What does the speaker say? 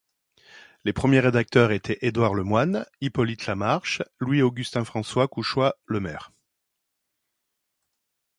Les premiers rédacteurs étaient Édouard Lemoine, Hippolyte Lamarche, Louis-Augustin-François Cauchois-Lemaire.